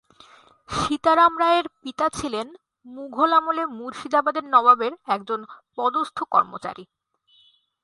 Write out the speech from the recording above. সীতারাম রায়ের পিতা ছিলেন মুঘল আমলে মুর্শিদাবাদের নবাবের একজন পদস্থ কর্মচারী।